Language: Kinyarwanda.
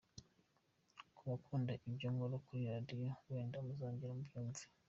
Ku bakundaga ibyo nkora kuri Radio, wenda muzongera mubyumve.